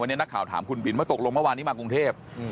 วันนี้นักข่าวถามคุณบินว่าตกลงเมื่อวานนี้มากรุงเทพ